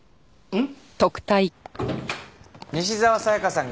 うん。